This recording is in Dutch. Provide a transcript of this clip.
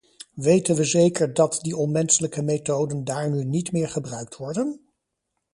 Weten we zeker dat die onmenselijke methoden daar nu niet meer gebruikt worden?